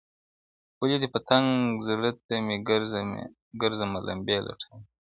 o و دې پتنګ زړه ته مي ګرځمه لمبې لټوم,